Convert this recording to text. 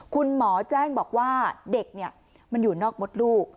คุณหมอแจ้งบอกว่าเด็กมันอยู่นอกมดลูก